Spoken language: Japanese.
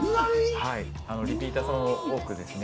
はいリピーター様も多くですね。